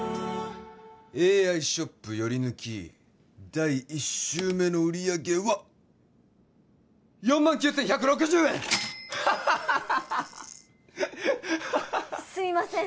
ＡＩショップヨリヌキ第１週目の売上は４９１６０円ハハハハすいません